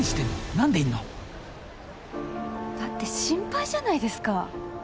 何でいんの？だって心配じゃないですか。